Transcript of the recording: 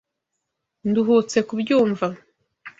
Nduhutse kubyumva.